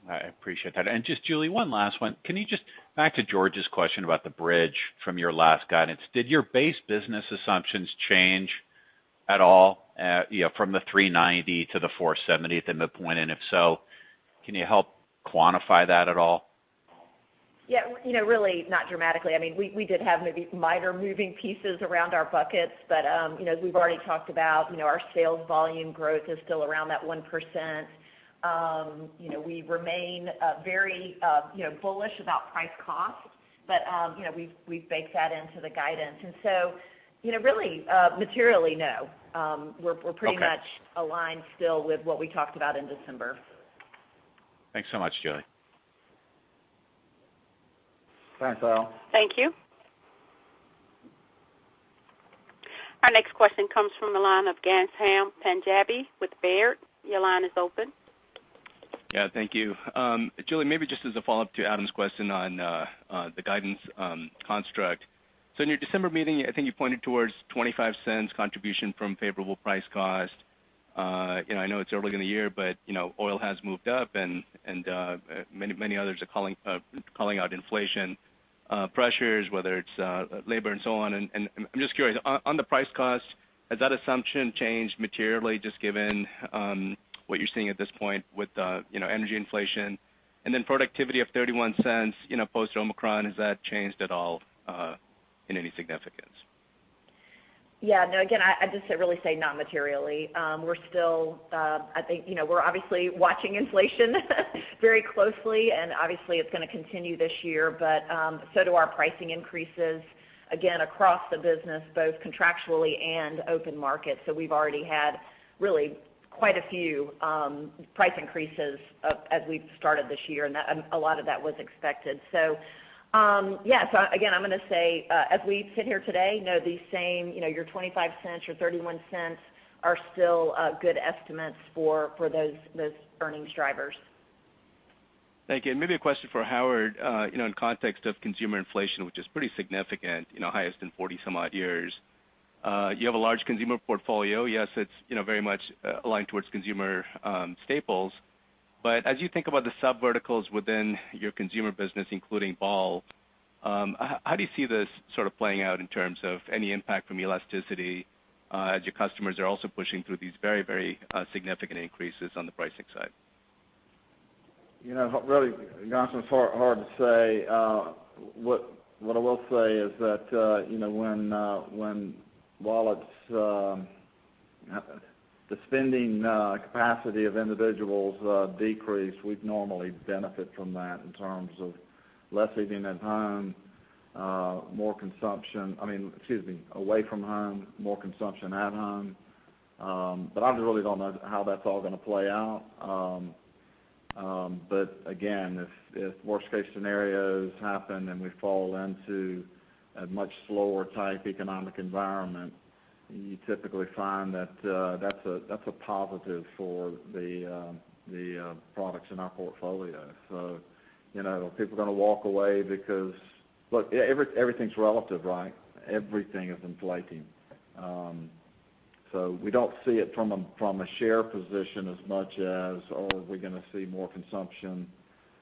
I appreciate that. Just Julie, one last one. Can you just back to George's question about the bridge from your last guidance. Did your base business assumptions change at all, you know, from the $3.90 to the $4.70 at the midpoint? If so, can you help quantify that at all? Yeah. You know, really not dramatically. I mean, we did have maybe minor moving pieces around our buckets, but you know, as we've already talked about, you know, our sales volume growth is still around that 1%. You know, we remain very you know bullish about price cost. You know, we've baked that into the guidance. You know, really materially, no. We're pretty much. Okay Aligned still with what we talked about in December. Thanks so much, Julie. Thanks, all. Thank you. Our next question comes from the line of Ghansham Panjabi with Baird. Your line is open. Yeah, thank you. Julie, maybe just as a follow-up to Adam's question on the guidance construct. In your December meeting, I think you pointed towards $0.25 contribution from favorable price cost. You know, I know it's early in the year, but you know, oil has moved up and many others are calling out inflation pressures, whether it's labor and so on. I'm just curious, on the price cost, has that assumption changed materially just given what you're seeing at this point with you know, energy inflation? Productivity of $0.31, you know, post Omicron, has that changed at all in any significance? Yeah. No, again, I'd just really say not materially. We're still, I think, you know, we're obviously watching inflation very closely, and obviously it's gonna continue this year. Our pricing increases, again, across the business, both contractually and open market. We've already had really quite a few price increases up as we've started this year. A lot of that was expected. Again, I'm gonna say, as we sit here today, no, these same, you know, your $0.25, your $0.31 are still good estimates for those earnings drivers. Thank you. Maybe a question for Howard. You know, in context of consumer inflation, which is pretty significant, you know, highest in 40 some odd years. You have a large consumer portfolio. Yes, it's, you know, very much aligned towards consumer staples. But as you think about the subverticals within your consumer business, including Ball, how do you see this sort of playing out in terms of any impact from elasticity, as your customers are also pushing through these very, very significant increases on the pricing side? You know, really, Ghansham, it's hard to say. What I will say is that, you know, when wallets, the spending capacity of individuals decrease, we'd normally benefit from that in terms of less eating at home, more consumption. I mean, excuse me, away from home, more consumption at home. But I just really don't know how that's all gonna play out. But again, if worst case scenarios happen and we fall into a much slower type economic environment, you typically find that's a positive for the products in our portfolio. So, you know, are people gonna walk away because everything's relative, right? Everything is inflating. We don't see it from a share position as much as are we gonna see more consumption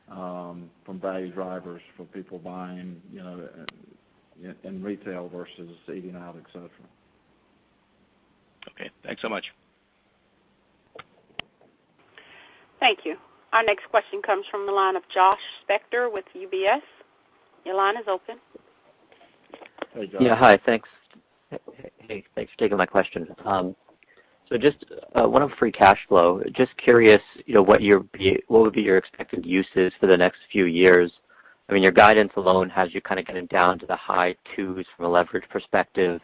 from value drivers, from people buying, you know, in retail versus eating out, et cetera. Okay, thanks so much. Thank you. Our next question comes from the line of Josh Spector with UBS. Your line is open. Hey, Josh. Yeah. Hi, thanks. Hey, thanks for taking my question. Just one on free cash flow. Just curious, you know, what would be your expected uses for the next few years. I mean, your guidance alone has you kind of getting down to the high 2s from a leverage perspective.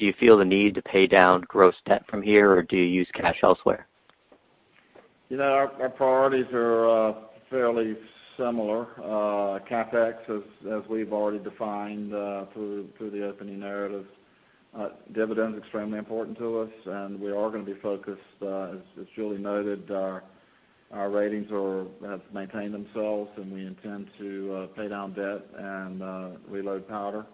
Do you feel the need to pay down gross debt from here, or do you use cash elsewhere? You know, our priorities are fairly similar. CapEx as we've already defined through the opening narratives. Dividend's extremely important to us, and we are gonna be focused. As Julie noted, our ratings have maintained themselves, and we intend to pay down debt and reload powder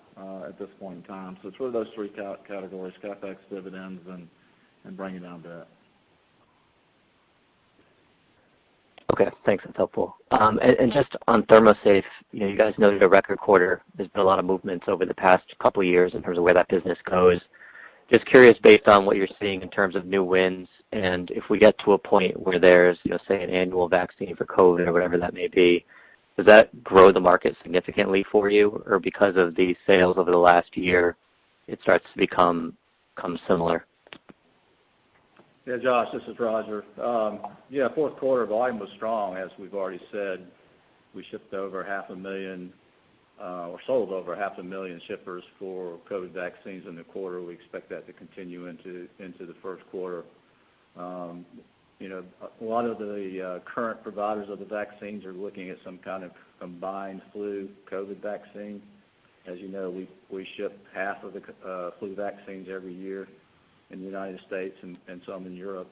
at this point in time. It's really those three categories, CapEx, dividends, and bringing down debt. Okay. Thanks. That's helpful. Just on ThermoSafe, you know, you guys noted a record quarter. There's been a lot of movements over the past couple years in terms of where that business goes. Just curious, based on what you're seeing in terms of new wins, and if we get to a point where there's, you know, say, an annual vaccine for COVID or whatever that may be, does that grow the market significantly for you? Or because of the sales over the last year, it starts to become similar? Yeah, Josh, this is Rodger. Yeah, fourth quarter volume was strong, as we've already said. We shipped over 500,000 or sold over 500,000 shippers for COVID vaccines in the quarter. We expect that to continue into the first quarter. You know, a lot of the current providers of the vaccines are looking at some kind of combined flu COVID vaccine. As you know, we ship 50% of the flu vaccines every year in the United States and some in Europe.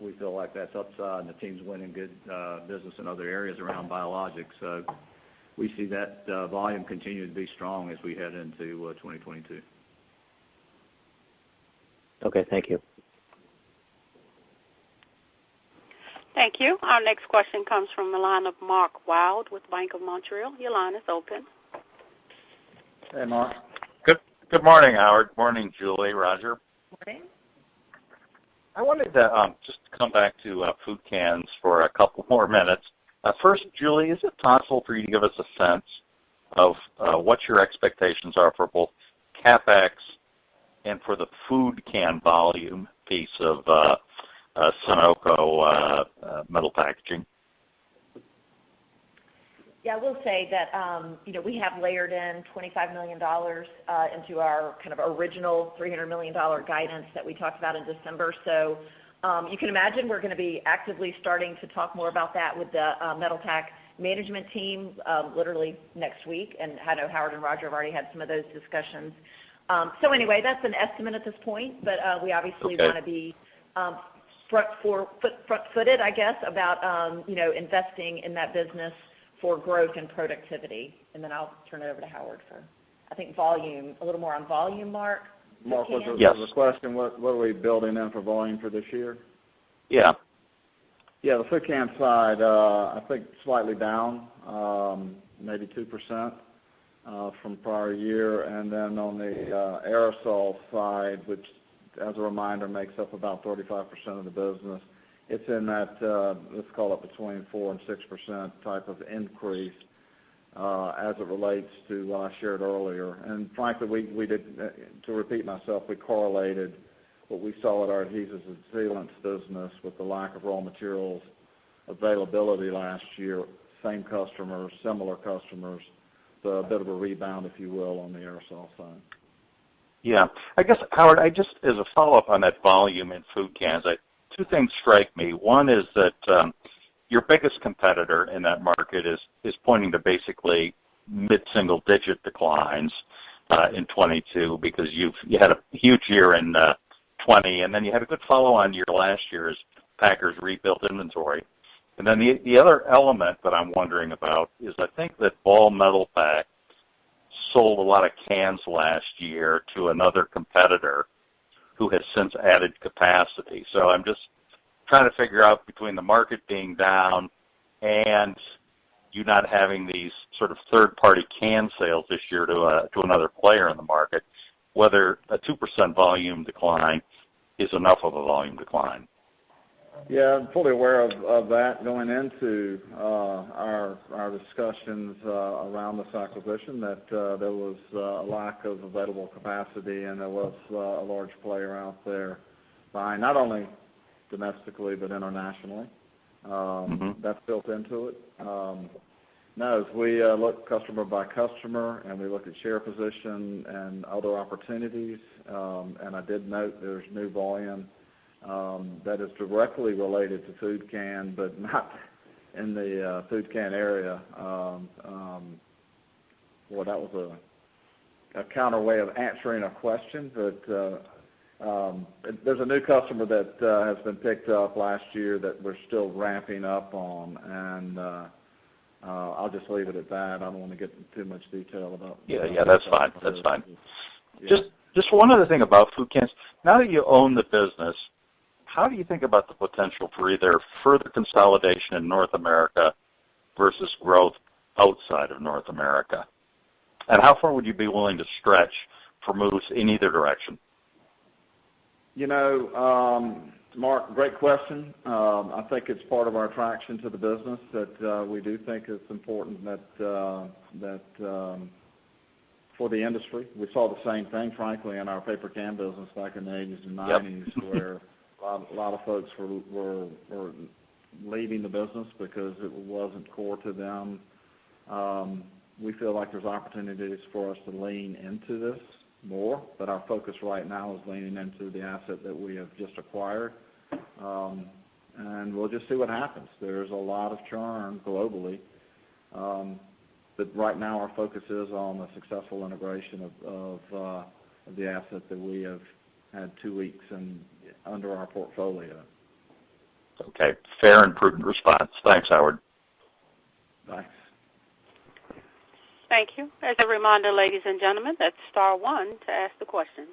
We feel like that's upside, and the team's winning good business in other areas around biologics. We see that volume continue to be strong as we head into 2022. Okay. Thank you. Thank you. Our next question comes from the line of Mark Wilde with Bank of Montreal. Your line is open. Hey, Mark. Good morning, Howard. Morning, Julie, Rodger. Morning. I wanted to just to come back to food cans for a couple more minutes. First, Julie, is it possible for you to give us a sense of what your expectations are for both CapEx and for the food can volume piece of Sonoco Metal Packaging? Yeah. I will say that, you know, we have layered in $25 million into our kind of original $300 million guidance that we talked about in December. You can imagine we're gonna be actively starting to talk more about that with the Metalpack management team literally next week. I know Howard and Rodger have already had some of those discussions. Anyway, that's an estimate at this point. But Okay we obviously wanna be front-footed, I guess, about you know investing in that business for growth and productivity. Then I'll turn it over to Howard for, I think, volume, a little more on volume, Mark, if you can. Mark, was there Yes a question, what are we building in for volume for this year? Yeah. Yeah, the food can side, I think slightly down, maybe 2%, from prior year. On the aerosol side, which as a reminder, makes up about 35% of the business, it's in that, let's call it between 4% and 6% type of increase, as it relates to what I shared earlier. Frankly, to repeat myself, we correlated what we saw at our adhesives and sealants business with the lack of raw materials availability last year, same customers, similar customers. A bit of a rebound, if you will, on the aerosol side. Yeah. I guess, Howard, I just as a follow-up on that volume in food cans, I two things strike me. One is that your biggest competitor in that market is pointing to basically mid-single-digit declines in 2022 because you had a huge year in 2020, and then you had a good follow-on year last year as packers rebuilt inventory. Then the other element that I'm wondering about is I think that Ball Metalpack sold a lot of cans last year to another competitor who has since added capacity. So I'm just trying to figure out between the market being down and you not having these sort of third party can sales this year to another player in the market, whether a 2% volume decline is enough of a volume decline. Yeah. I'm fully aware of that going into our discussions around this acquisition, that there was a lack of available capacity, and there was a large player out there buying, not only domestically, but internationally. Mm-hmm That's built into it. No, as we look customer by customer, and we look at share position and other opportunities, and I did note there's new volume that is directly related to food can, but not in the food can area. Boy, that was a counter way of answering a question. There's a new customer that has been picked up last year that we're still ramping up on, and I'll just leave it at that. I don't wanna get in too much detail about. Yeah, yeah. That's fine. That's fine Yeah. Just one other thing about food cans. Now that you own the business, how do you think about the potential for either further consolidation in North America versus growth outside of North America? How far would you be willing to stretch for moves in either direction? You know, Mark, great question. I think it's part of our attraction to the business that we do think it's important that for the industry. We saw the same thing, frankly, in our paper can business back in the eighties and nineties. Yep. where a lot of folks were leaving the business because it wasn't core to them. We feel like there's opportunities for us to lean into this more, but our focus right now is leaning into the asset that we have just acquired. We'll just see what happens. There's a lot of charm globally, but right now our focus is on the successful integration of the asset that we have had two weeks in under our portfolio. Okay. Fair and prudent response. Thanks, Howard. Thanks. Thank you. As a reminder, ladies and gentlemen, that's star one to ask the question.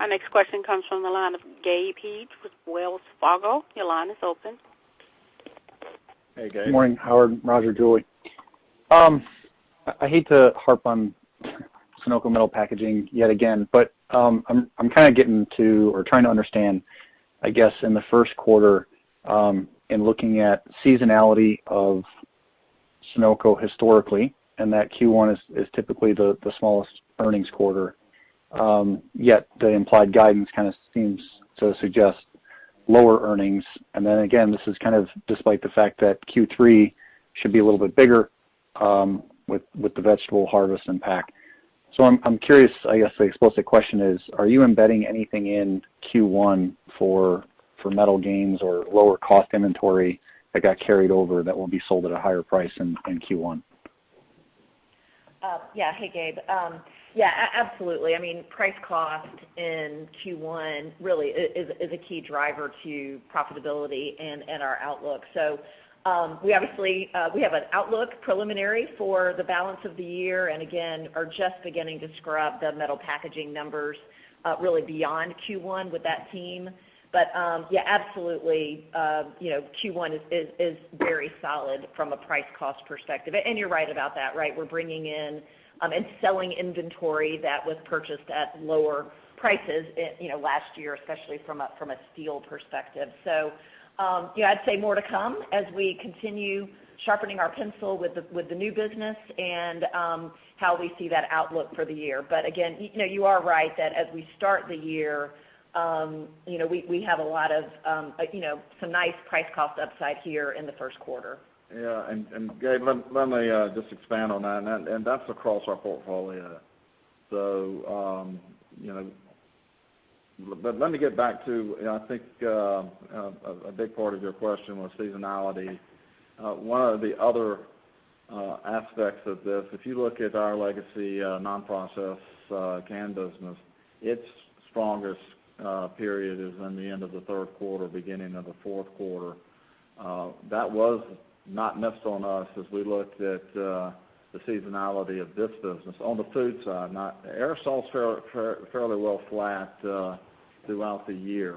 Our next question comes from the line of Gabe Hajde with Wells Fargo. Your line is open. Hey, Gabe. Good morning, Howard, Rodger, Julie. I hate to harp on Sonoco Metal Packaging yet again, but I'm kinda getting to or trying to understand, I guess, in the first quarter, in looking at seasonality of Sonoco historically, and that Q1 is typically the smallest earnings quarter. Yet the implied guidance kind of seems to suggest lower earnings. Then again, this is kind of despite the fact that Q3 should be a little bit bigger, with the vegetable harvest and pack. I'm curious, I guess the explicit question is, are you embedding anything in Q1 for metal gains or lower cost inventory that got carried over that will be sold at a higher price in Q1? Yeah. Hey, Gabe. Yeah, absolutely. I mean, price cost in Q1 really is a key driver to profitability and our outlook. We obviously have an outlook preliminary for the balance of the year, and again, are just beginning to scrub the metal packaging numbers really beyond Q1 with that team. Yeah, absolutely, you know, Q1 is very solid from a price cost perspective. And you're right about that, right? We're bringing in and selling inventory that was purchased at lower prices, you know, last year, especially from a steel perspective. Yeah, I'd say more to come as we continue sharpening our pencil with the new business and how we see that outlook for the year. Again, you know, you are right that as we start the year, you know, we have a lot of, you know, some nice price cost upside here in the first quarter. Yeah. Gabe, let me just expand on that, and that's across our portfolio. Let me get back to. I think a big part of your question was seasonality. One of the other aspects of this, if you look at our legacy non-process can business, its strongest period is in the end of the third quarter, beginning of the fourth quarter. That was not missed on us as we looked at the seasonality of this business on the food side, aerosol's fairly well flat throughout the year.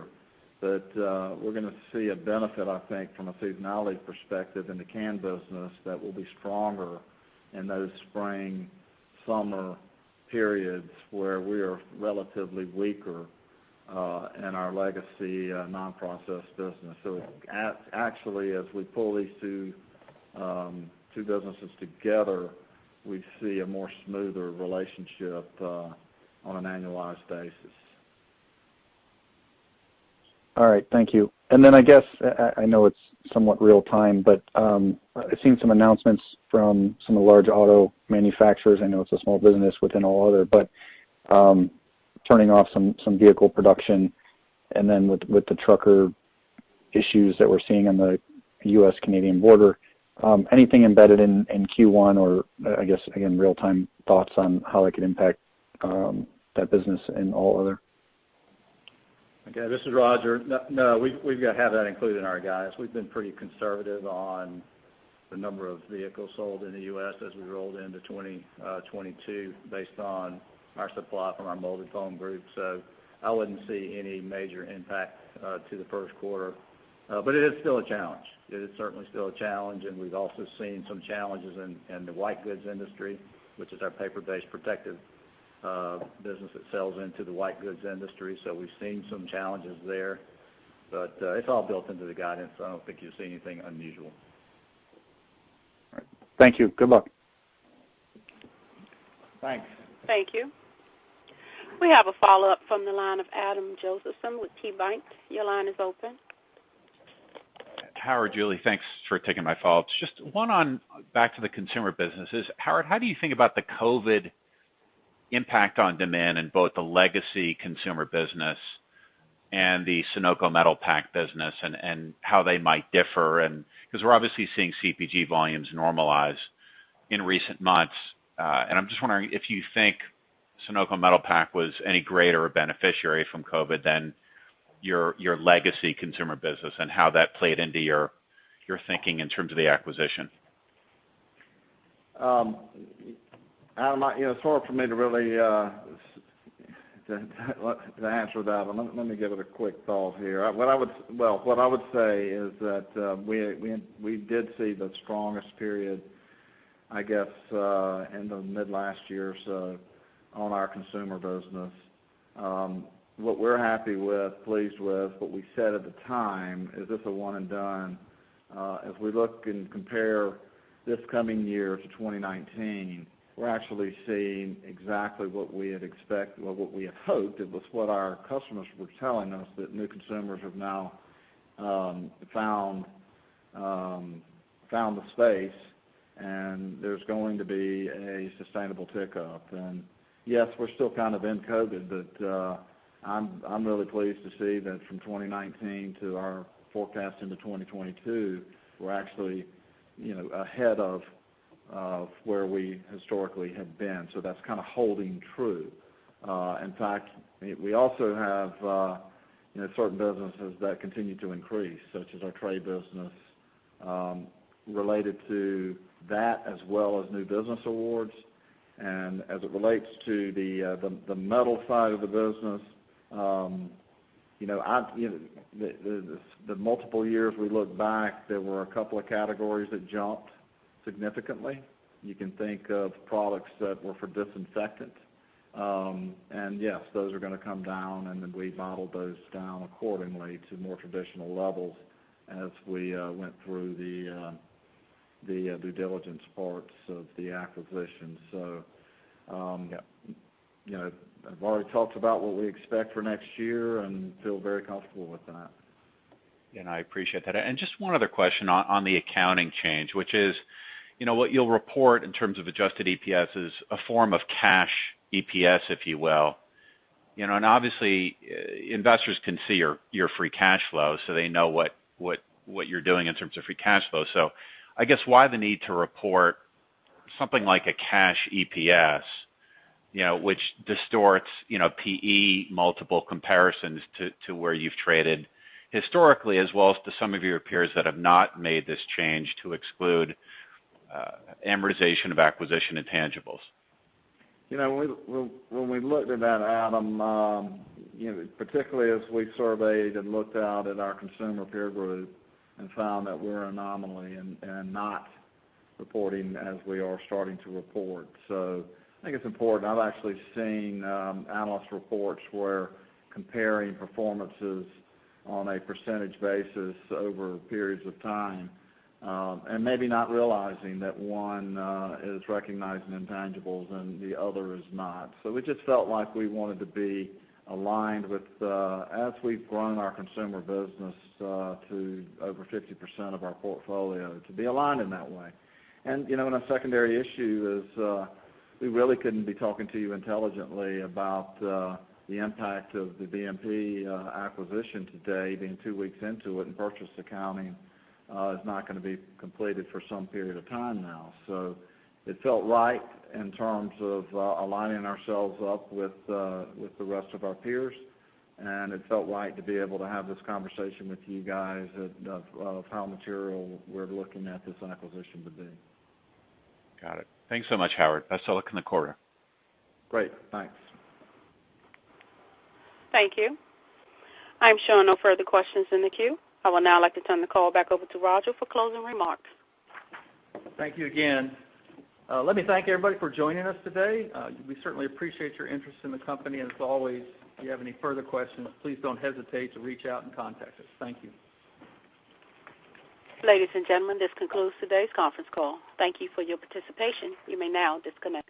We're gonna see a benefit, I think, from a seasonality perspective in the can business that will be stronger in those spring, summer periods where we are relatively weaker in our legacy non-process business. Actually, as we pull these two businesses together, we see a more smoother relationship on an annualized basis. All right. Thank you. I guess I know it's somewhat real time, but I've seen some announcements from some of the large auto manufacturers. I know it's a small business within All Other, but turning off some vehicle production and then with the trucker issues that we're seeing on the U.S.-Canadian border, anything embedded in Q1 or, I guess, again, real-time thoughts on how that could impact that business in All Other? Okay. This is Rodger. No, we've got to have that included in our guidance. We've been pretty conservative on the number of vehicles sold in the U.S. as we rolled into 2022 based on our supply from our molded foam group. I wouldn't see any major impact to the first quarter. It is still a challenge. It is certainly still a challenge, and we've also seen some challenges in the white goods industry, which is our paper-based protective business that sells into the white goods industry. We've seen some challenges there, but it's all built into the guidance, I don't think you'll see anything unusual. All right. Thank you. Good luck. Thanks. Thank you. We have a follow-up from the line of Adam Josephson with KeyBanc. Your line is open. Howard, Julie, thanks for taking my follow-up. Just one, back to the consumer businesses. Howard, how do you think about the COVID impact on demand in both the legacy consumer business and the Sonoco Metal Packaging business and how they might differ and because we're obviously seeing CPG volumes normalize in recent months. I'm just wondering if you think Sonoco Metal Packaging was any greater beneficiary from COVID than your legacy consumer business and how that played into your thinking in terms of the acquisition. Adam, you know, it's hard for me really to answer that. Let me give it a quick thought here. Well, what I would say is that we did see the strongest period, I guess, end of mid last year or so on our consumer business. What we're happy with, pleased with, what we said at the time is this a one and done. If we look and compare this coming year to 2019, we're actually seeing exactly what we had hoped. It was what our customers were telling us, that new consumers have now found the space, and there's going to be a sustainable tick-up. Yes, we're still kind of in COVID, but I'm really pleased to see that from 2019 to our forecast into 2022, we're actually, you know, ahead of where we historically have been. So that's kinda holding true. In fact, we also have, you know, certain businesses that continue to increase, such as our trade business related to that, as well as new business awards. As it relates to the metal side of the business, you know, the multiple years we look back, there were a couple of categories that jumped significantly. You can think of products that were for disinfectant. Yes, those are gonna come down, and then we modeled those down accordingly to more traditional levels as we went through the due diligence parts of the acquisition. You know, I've already talked about what we expect for next year and feel very comfortable with that. I appreciate that. Just one other question on the accounting change, which is, you know, what you'll report in terms of adjusted EPS is a form of cash EPS, if you will. You know, obviously, investors can see your free cash flow, so they know what you're doing in terms of free cash flow. I guess why the need to report something like a cash EPS, you know, which distorts, you know, PE multiple comparisons to where you've traded historically, as well as to some of your peers that have not made this change to exclude amortization of acquisition intangibles? You know, when we looked at that, Adam, you know, particularly as we surveyed and looked out at our consumer peer group and found that we're an anomaly and not reporting as we are starting to report. I think it's important. I've actually seen analyst reports where comparing performances on a percentage basis over periods of time and maybe not realizing that one is recognizing intangibles and the other is not. We just felt like we wanted to be aligned with as we've grown our consumer business to over 50% of our portfolio, to be aligned in that way. You know, a secondary issue is, we really couldn't be talking to you intelligently about the impact of the Ball Metalpack acquisition today, being two weeks into it, and purchase accounting is not gonna be completed for some period of time now. It felt right in terms of aligning ourselves up with the rest of our peers, and it felt right to be able to have this conversation with you guys of how material we're looking at this acquisition to be. Got it. Thanks so much, Howard. I still like the quarter. Great, thanks. Thank you. I'm showing no further questions in the queue. I would now like to turn the call back over to Roger for closing remarks. Thank you again. Let me thank everybody for joining us today. We certainly appreciate your interest in the company, and as always, if you have any further questions, please don't hesitate to reach out and contact us. Thank you. Ladies and gentlemen, this concludes today's conference call. Thank you for your participation. You may now disconnect.